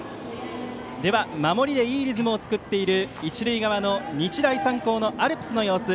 守りでいいリズムを作っている一塁側、日大三高のアルプスの様子